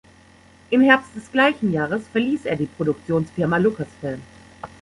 Im Herbst des gleichen Jahres verließ er die Produktionsfirma Lucasfilm.